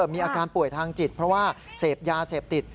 มีอาการป่วยทางจิตเพราะว่าเสพยาเสพติด